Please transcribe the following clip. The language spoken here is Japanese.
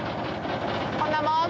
こんなもん？